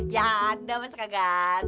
ya ada masa kagak ada